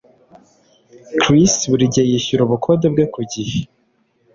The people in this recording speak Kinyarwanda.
Chris buri gihe yishyura ubukode bwe ku gihe